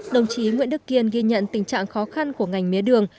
đồng chí nguyễn đức kiên ghi nhận tình trạng khó khăn của ngành mía đường